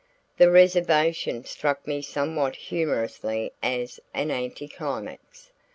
The reservation struck me somewhat humorously as an anti climax.